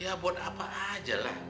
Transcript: ya buat apa aja lah